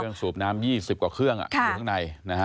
สูบน้ำ๒๐กว่าเครื่องอยู่ข้างใน